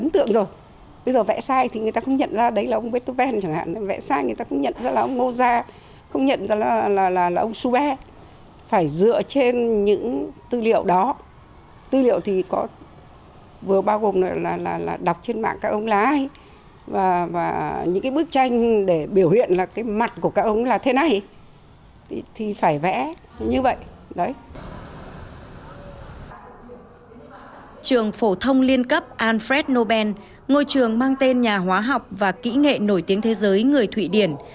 trường phổ thông liên cấp alfred nobel ngôi trường mang tên nhà hóa học và kỹ nghệ nổi tiếng thế giới người thụy điển